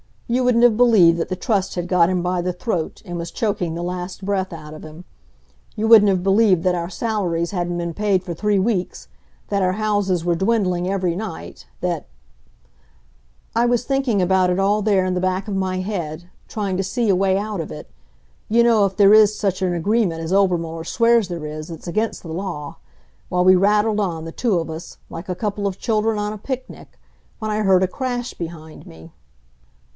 You wouldn't have believed that the Trust had got him by the throat, and was choking the last breath out of him. You wouldn't have believed that our salaries hadn't been paid for three weeks, that our houses were dwindling every night, that I was thinking about it all there in the back of my head, trying to see a way out of it you know if there is such an agreement as Obermuller swears there is, it's against the law while we rattled on, the two of us, like a couple of children on a picnic, when I heard a crash behind me.